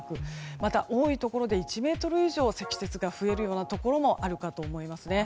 また、多いところで１ｍ以上積雪が増えるところもあるかと思いますね。